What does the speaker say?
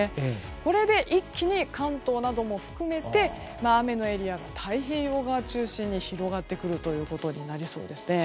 これで一気に関東なども含めて雨のエリアが太平洋側中心に広がってくることになりそうです。